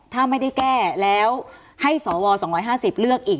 ถ้าไม่ได้แก้แล้วให้สว๒๕๐เลือกอีก